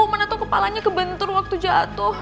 mana tau kepalanya kebentur waktu jatuh